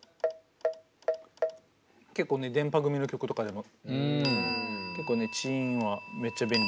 結構ねでんぱ組の曲とかでも。